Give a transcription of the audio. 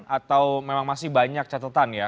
atau memang masih banyak catatan ya